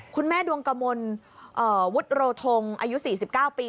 คุณแม่ดวงกระมนวุฒิโรธงอายุ๔๙ปี